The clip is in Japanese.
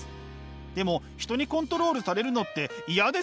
でも人にコントロールされるのって嫌ですよね。